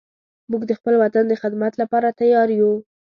موږ د خپل وطن د خدمت لپاره تیار یو